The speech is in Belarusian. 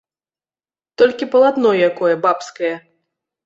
Толькі палатно якое, бабскае.